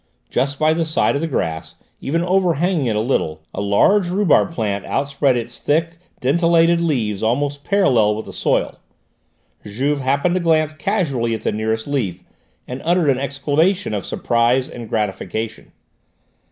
Just by the side of the grass, even overhanging it a little, a large rhubarb plant outspread its thick, dentelated leaves almost parallel with the soil. Juve happened to glance casually at the nearest leaf, and uttered an exclamation of surprise and gratification.